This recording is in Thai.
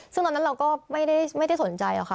ซึ่งตอนนั้นเราก็ไม่ได้สนใจหรอกค่ะ